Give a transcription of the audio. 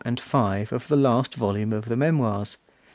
and V. of the last volume of the Memoirs.